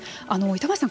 板橋さん